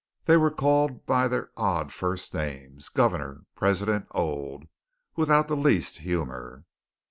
They were called by their odd first names Governor, President, Old without the least humour.